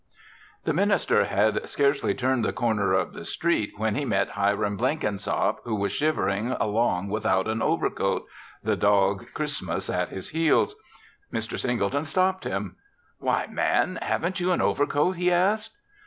The minister had scarcely turned the corner of the street, when he met Hiram Blenkinsop, who was shivering along without an overcoat, the dog Christmas at his heels. Mr. Singleton stopped him. "Why, man! Haven't you an overcoat?" he asked.